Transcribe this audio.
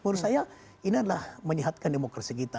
menurut saya ini adalah menyehatkan demokrasi kita